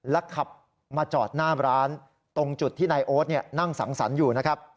ขับมาจอดหน้าร้านตรงจุดที่นายโอ๊ตนั่งสังสรรค์อยู่นะครับ